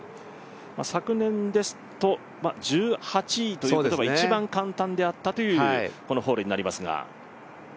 昨年ですと１８位ということは一番簡単であったというこのホールになりますが。